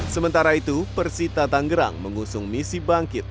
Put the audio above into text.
sementara itu persita tanggerang mengusung misi bangkit